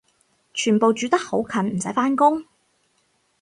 全部住得好近唔使返工？